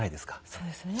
そうですね。